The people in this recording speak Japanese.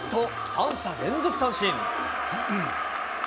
三者連続三振。